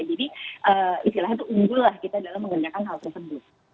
jadi istilahnya itu unggul lah kita dalam mengerjakan hal tersebut